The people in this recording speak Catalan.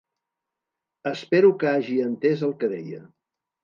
Espero que hagi entès el que deia.